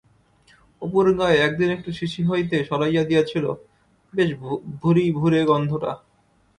অপুর গায়ে একদিন একটু শিশি হইতে ছড়াইয়া দিয়াছিল, বেশ ভুরিভুরে গন্ধটা।